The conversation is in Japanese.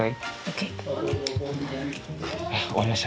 終わりましたね。